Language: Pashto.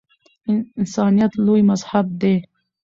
انسانیت لوی مذهب دی